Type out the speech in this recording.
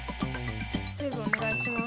セーブお願いします。